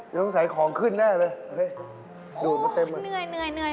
แคลร์ทำตอนแค้นนึกเดียว